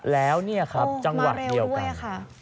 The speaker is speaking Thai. แล้วเนี่ยครับจังหวะเดียวกัน